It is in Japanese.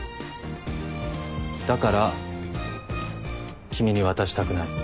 だから君に渡したくない。